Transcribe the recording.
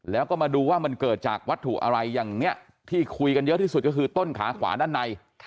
แล้วก็มาดูว่ามันเกิดจากวัตถุอะไรอย่างนี้ที่คุยกันเยอะที่สุดก็คือต้นขาขวาด้านใน